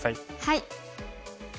はい。